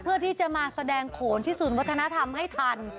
เพื่อที่จะมาแสดงโขนที่ศูนย์วัฒนธรรมให้ทัน